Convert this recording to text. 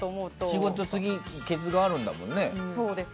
仕事、次ケツがあるんだもんね。